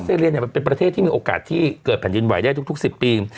เรียมันเป็นประเทศที่มีโอกาสที่เกิดแผ่นดินไหวได้ทุก๑๐ปี